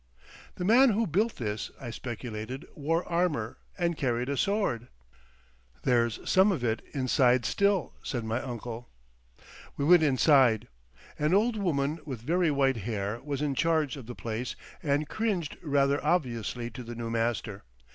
"The man who built this," I speculated, "wore armour and carried a sword." "There's some of it inside still," said my uncle. We went inside. An old woman with very white hair was in charge of the place and cringed rather obviously to the new master.